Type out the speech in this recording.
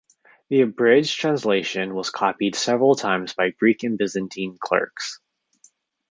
The abridged translation was copied several times by Greek and Byzantine clerks.